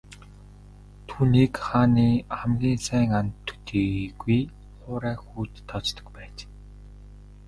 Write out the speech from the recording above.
Түүнийг хааны хамгийн сайн анд төдийгүй хуурай хүүд тооцдог байж.